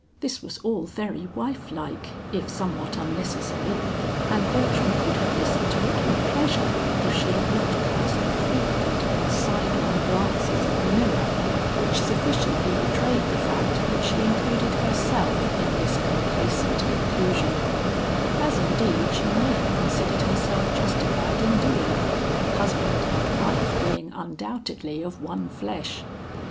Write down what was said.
This was all very wife like if somewhat unnecessary, and Bertram could have listened to it with pleasure, if she had not cast the frequent and side long glances at the mirror, which sufficiently betrayed the fact that she included herself in this complacent conclusion; as indeed she may have considered herself justified in doing, husband and wife being undoubtedly of one flesh.